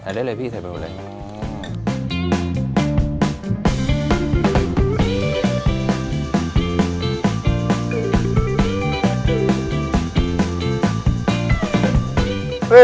ได้เลยพี่ใส่ไปหมดเลย